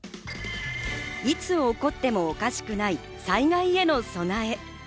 いつ起こってもおかしくない災害への備え。